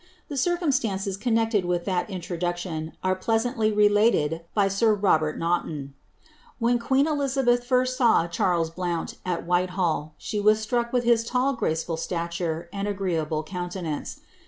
The circumstances connected roduction are pleasantly related by Sir Robert Nanntoo. sen Elizabeth first saw Charies Blount; at Whitehall, she with his tall graceful stature and agreleable countenance.